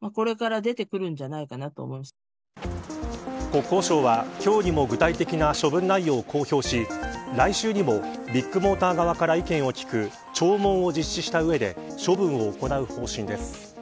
国交省は、今日にも具体的な処分内容を公表し来週にもビッグモーター側から意見を聞く聴聞を実施した上で処分を行う方針です。